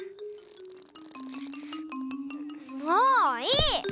もういい！